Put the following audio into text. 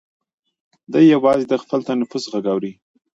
دی یوازې د خپل تنفس غږ اوري.